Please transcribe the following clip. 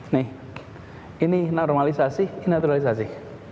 nih ini normalisasi ini naturalisasi